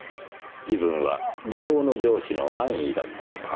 自分は理想の上司の何位だったのか。